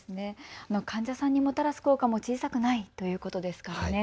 患者さんにもたらす効果も小さくないということですからね。